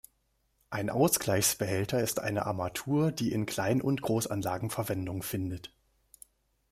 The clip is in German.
Ein Ausgleichsbehälter ist eine Armatur, die in Klein- und Großanlagen Verwendung findet.